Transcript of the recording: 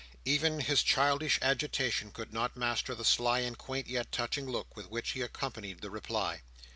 Even his childish agitation could not master the sly and quaint yet touching look, with which he accompanied the reply.